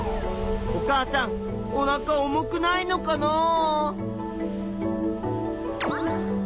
お母さんおなか重くないのかなあ。